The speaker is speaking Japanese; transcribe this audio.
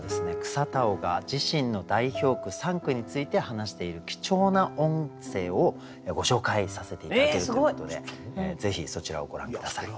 草田男が自身の代表句３句について話している貴重な音声をご紹介させて頂けるということでぜひそちらをご覧下さい。